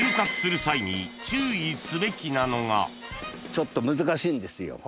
ちょっと難しいんですよ。